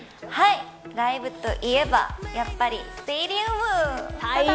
ライブといえば、やっぱりサイリウム。